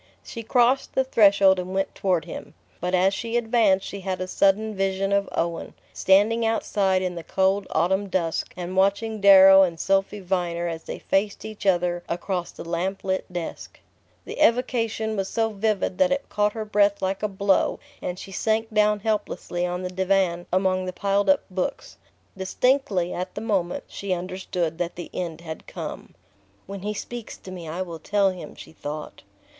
She crossed the threshold and went toward him; but as she advanced she had a sudden vision of Owen, standing outside in the cold autumn dusk and watching Darrow and Sophy Viner as they faced each other across the lamplit desk...The evocation was so vivid that it caught her breath like a blow, and she sank down helplessly on the divan among the piled up books. Distinctly, at the moment, she understood that the end had come. "When he speaks to me I will tell him!" she thought...